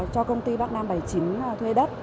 cho công ty bắc nam bảy mươi chín thuê đất